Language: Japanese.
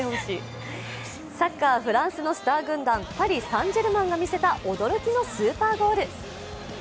サッカー・フランスのスター軍団、パリ・サン＝ジェルマンが見せた驚きのスーパーゴール。